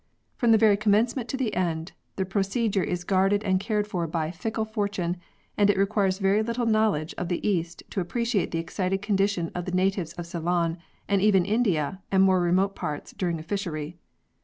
From the very commencement to the end the procedure is guarded and cared for by "fickle fortune," and it requires very little knowledge of the East to appreciate the excited condition of the natives of Ceylon and even India and more remote parts during a fishery.